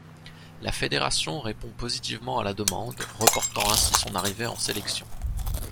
La fédération répond positivement à la demande, reportant ainsi son arrivée en sélection.